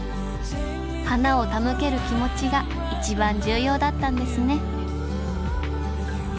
花を手向ける気持ちが一番重要だったんですね